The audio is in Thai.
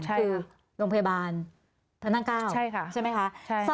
คือโรงพยาบาลพระนั่ง๙ใช่ไหมคะ